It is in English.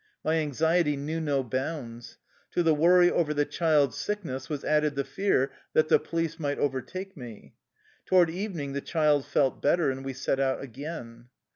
My anxiety knew no bounds. To the worry over the child's sickness was added the fear that the police might overtake me. To ward evening the child felt better, and we set out again.